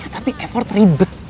ya tapi effort ribet